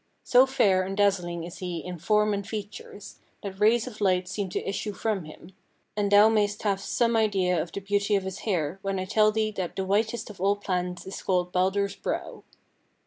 So fair and dazzling is he in form and features, that rays of light seem to issue from him; and thou mayst have some idea of the beauty of his hair, when I tell thee that the whitest of all plants is called Baldur's brow.